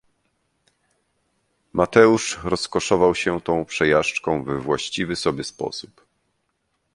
Mateusz rozkoszował się tą przejażdżką we właściwy sobie sposób.